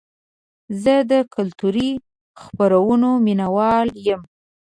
زه د کلتوري خپرونو مینهوال یم.